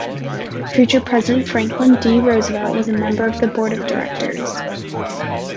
Future President Franklin D. Roosevelt was a member of the board of directors.